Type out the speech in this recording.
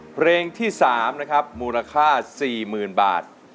เพลงที่๓นะครับมูลค่า๔๐๐๐บาท